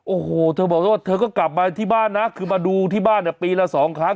โอ้โหเธอบอกว่าเธอก็กลับมาที่บ้านนะคือมาดูที่บ้านเนี่ยปีละสองครั้ง